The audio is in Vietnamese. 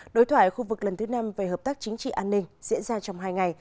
đối thoại khu vực lần thứ năm về hợp tác chính trị an ninh diễn ra trong hai ngày